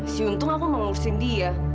si untung aku mau ngurusin dia